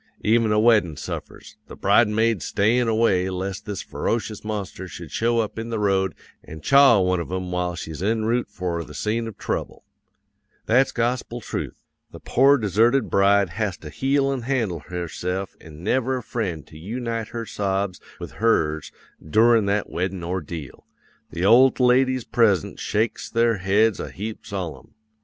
Even a weddin' suffers; the bridesmaids stayin' away lest this ferocious monster should show up in the road an' chaw one of 'em while she's en route for the scene of trouble. That's gospel trooth! the pore deserted bride has to heel an' handle herse'f an' never a friend to yoonite her sobs with hers doorin' that weddin' ordeal. The old ladies present shakes their heads a heap solemn.